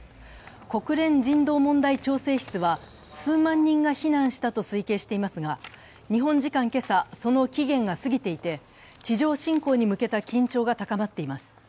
国連人道問題調整室は、数万人が避難したと推計していますが日本時間今朝、その期限が過ぎていて、地上侵攻に向けた緊張が高まっています。